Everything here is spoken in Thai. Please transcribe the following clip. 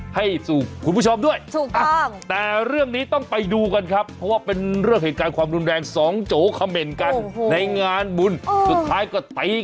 ให้สู่คุณผู้ชมด้วยถูกต้องแต่เรื่องนี้ต้องไปดูกันครับเพราะว่าเป็นเรื่องเหตุการณ์ความรุนแรงสองโจเขม่นกันในงานบุญสุดท้ายก็ตี